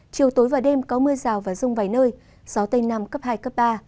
chiều tối và đêm có mưa rào và rông vài nơi gió tây nam cấp hai cấp ba